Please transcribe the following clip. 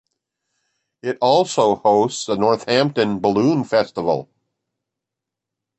It also hosts the Northampton Balloon Festival.